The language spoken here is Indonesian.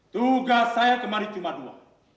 tugas saya kemarin cuma dua